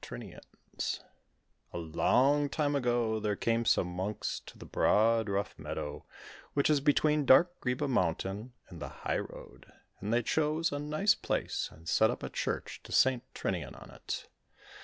TRINIAN'S A long time ago there came some monks to the broad, rough meadow which is between dark Greeba Mountain and the high road, and they chose a nice place and set up a church to St. Trinian on it.